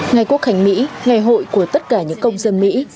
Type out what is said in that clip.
ngày quốc hành mỹ ngày hội của tất cả những công dân mỹ